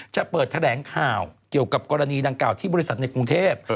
จะเปิดแถลงข่าวเกี่ยวกับกรณีดังกล่าวที่บริษัทในกรุงเทพ